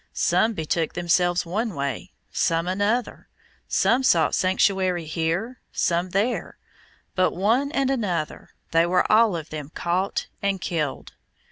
Some betook themselves one way, some another; some sought sanctuary here, some there; but one and another, they were all of them caught and killed.